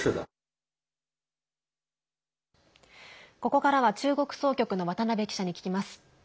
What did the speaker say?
ここからは中国総局の渡辺記者に聞きます。